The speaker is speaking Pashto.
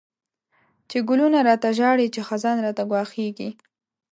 چی گلونه را ته ژاړی، چی خزان راته گواښیږی